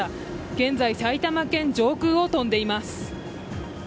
現在、埼玉県上空を飛んでいます。